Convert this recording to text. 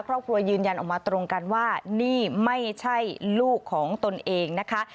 ยืนยันออกมาตรงกันว่านี่ไม่ใช่ลูกของตนเองนะคะ